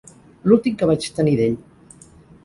L'últim que vaig tenir d'ell.